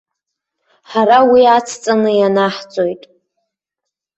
Ҳара уи ацҵаны ианаҳҵоит.